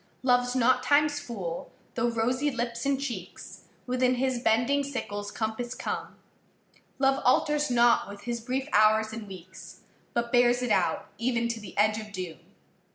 Loveâs not Timeâs fool, though rosy lips and cheeks Within his bending sickleâs compass come; Love alters not with his brief hours and weeks, But bears it out even to the edge of doom.